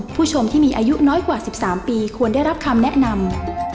ผู้ชมที่มีอายุน้อยกว่า๑๓ปีควรได้รับคำแนะนำ